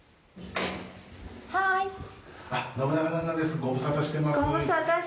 ご無沙汰してます。